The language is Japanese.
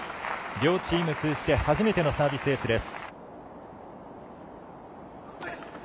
両チーム通じて初めてのサービスエースです。